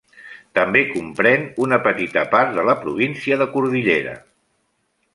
També comprèn una petita part de la província de Cordillera.